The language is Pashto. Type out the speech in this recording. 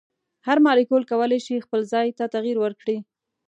هر مالیکول کولی شي خپل ځای ته تغیر ورکړي.